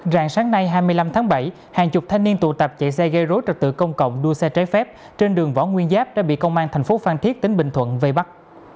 rạng sáng nay hai mươi năm tháng bảy hàng chục thanh niên tụ tập chạy xe gây rối trật tự công cộng đua xe trái phép trên đường võ nguyên giáp đã bị công an thành phố phan thiết tỉnh bình thuận vây bắt